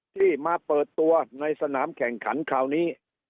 ที่มาเปิดตัวในสนามแข่งขันคราวนี้